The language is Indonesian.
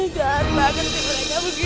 ya udah mam kita pulang aja